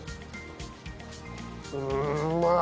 うんまい！